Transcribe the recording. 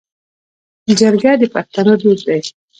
جرګه د پښتنو دود دی